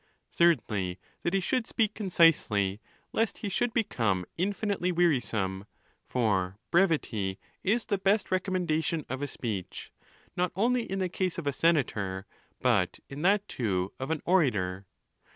Thirdly, that he should speak concisely, lest he should become infinitely wearisome; for brevity is the best recom mendation of a speech, not only i in the case of @ senator, boul in that too of an orator.